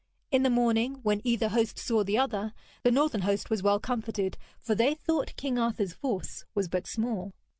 In the morning, when either host saw the other, the northern host was well comforted, for they thought King Arthur's force was but small.